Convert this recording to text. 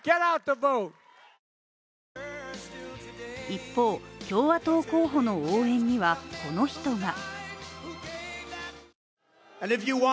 一方、共和党候補の応援には、この人が。